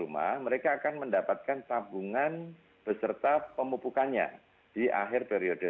rumah mereka akan mendapatkan tabungan beserta pemupukannya di akhir periode